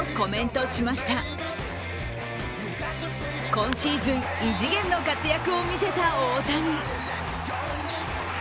今シーズン異次元の活躍を見せた大谷。